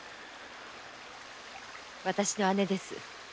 私の姉です。